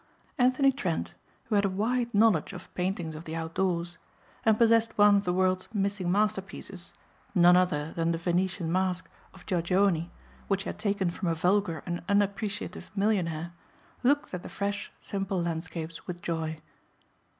Anthony Trent, who had a wide knowledge of paintings of the outdoors and possessed one of the world's missing masterpieces, none other than The Venetian Masque of Giorgione which he had taken from a vulgar and unappreciative millionaire, looked at the fresh, simple landscapes with joy.